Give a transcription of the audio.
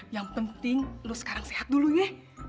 yang penting lo sekarang sehat dulu ya